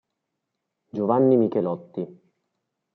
Giovanni Michelotti